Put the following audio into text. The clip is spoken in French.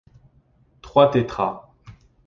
Trois tétras